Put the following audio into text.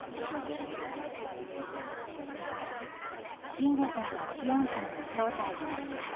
慎吾さんが詩音さんを招待した試合。